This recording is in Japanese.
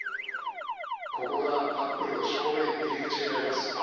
ここがアップルの正面入り口になります。